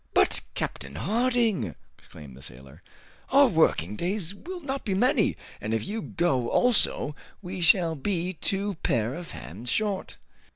"But, Captain Harding," exclaimed the sailor, "our working days will not be many, and if you go also we shall be two pair of hands short!"